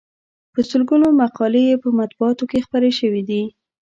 په سلګونو مقالې یې په مطبوعاتو کې خپرې شوې دي.